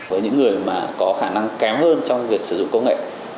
với những người mà có khả năng kém hơn trong việc sử dụng công nghệ